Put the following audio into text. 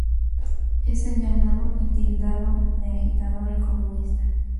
Es señalado y tildado de agitador y comunista.